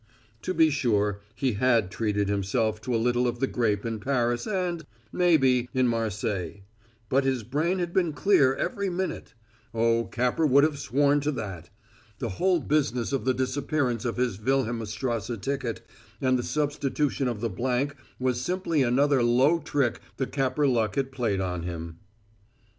To be sure, he had treated himself to a little of the grape in Paris and, maybe, in Marseilles; but his brain had been clear every minute. Oh, Capper would have sworn to that! The whole business of the disappearance of his Wilhelmstrasse ticket and the substitution of the blank was simply another low trick the Capper luck had played on him.